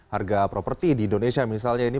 harga properti di indonesia misalnya ini